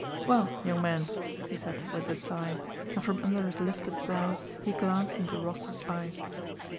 "Well, young man?" he said with a sigh, and from under his lifted brows he glanced into Rostóv's eyes.